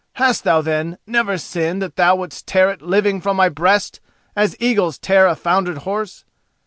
Hast thou, then, never sinned that thou wouldst tear it living from my breast as eagles tear a foundered horse?